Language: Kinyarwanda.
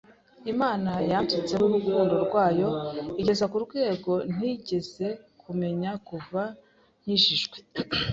Imana yansutseho urukundo rwayo, igeza ku rwego ntigeze kumenya kuva nkijijwe.